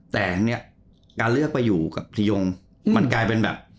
แต่เนี่ยการเลือกไปอยู่กับพียงมันกลายเป็นแบบ